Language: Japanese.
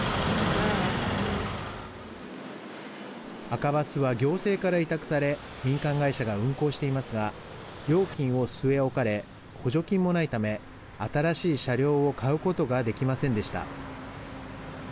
赤バスは行政から委託され民間会社が運行していますが料金を据え置かれ補助金もないため、新しい車両を買うことができませんでした。